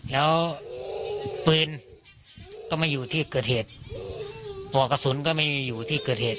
แล้วปืนก็ไม่อยู่ที่เกิดเหตุปลอกกระสุนก็ไม่ได้อยู่ที่เกิดเหตุ